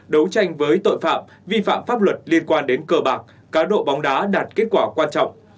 đấu tranh với tội phạm vi phạm pháp luật liên quan đến cờ bạc cá độ bóng đá đạt kết quả quan trọng